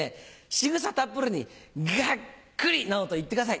しぐさたっぷりに「ガックリ！」などと言ってください。